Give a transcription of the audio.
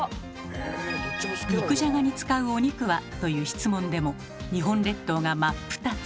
「肉じゃがに使うお肉は？」という質問でも日本列島が真っ二つ。